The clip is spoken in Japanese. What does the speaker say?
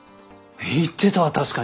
言ってたわ確かに。